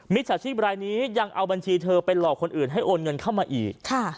จฉาชีพรายนี้ยังเอาบัญชีเธอไปหลอกคนอื่นให้โอนเงินเข้ามาอีก